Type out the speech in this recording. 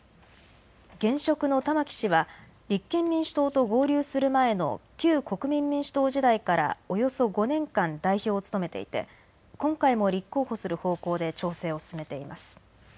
現職の玉木氏は立憲民主党と合流する前の旧国民民主党時代からおよそ５年間、代表を務めていて今回も立候補する方向で調整を進めています。